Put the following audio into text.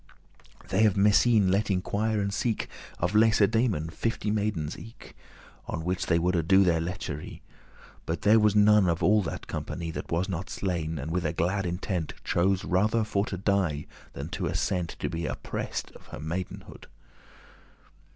They of Messene let inquire and seek Of Lacedaemon fifty maidens eke, On which they woulde do their lechery: But there was none of all that company That was not slain, and with a glad intent Chose rather for to die, than to assent To be oppressed* of her maidenhead.